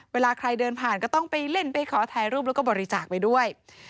เวลาใครเดินผ่านก็ต้องไปเล่นไปขอถ่ายรูปแล้วก็บริจาคไปด้วย